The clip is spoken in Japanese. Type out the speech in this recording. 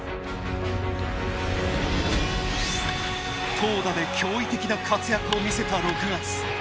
投打で驚異的な活躍を見せた６月。